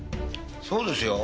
そうですよ。